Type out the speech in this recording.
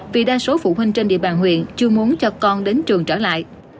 vì đa số phụ huynh trên địa bàn huyện chưa muốn cho con đến trường trở lại